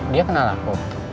dia kenal aku